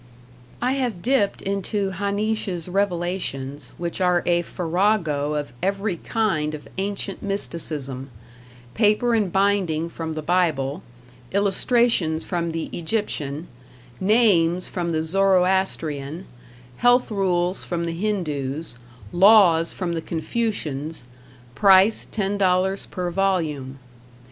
I have dipped into Ha'nish's revelations, which are a farrago of every kind of ancient mysticism paper and binding from the Bible, illustrations from the Egyptian, names from the Zoroastrian, health rules from the Hindoos, laws from the Confucians price ten dollars per volume.